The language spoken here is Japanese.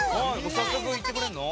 早速行ってくれるの？